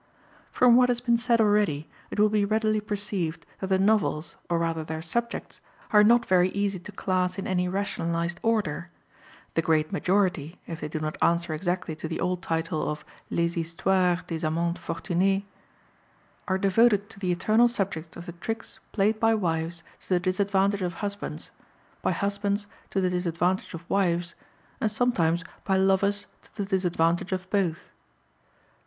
From what has been said already, it will be readily perceived that the novels, or rather their subjects, are not very easy to class in any rationalised order. The great majority, if they do not answer exactly to the old title of Les Histoires des Amants Fortunés, are devoted to the eternal subject of the tricks played by wives to the disadvantage of husbands, by husbands to the disadvantage of wives, and sometimes by lovers to the disadvantage of both.